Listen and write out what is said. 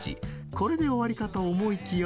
これで終わりかと思いきや